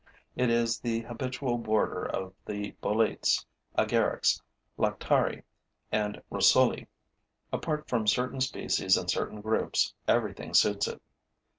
It is the habitual boarder of the boletes, agarics, lactarii and russulie. Apart from certain species and certain groups, everything suits it.